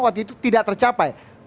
waktu itu tidak tercapai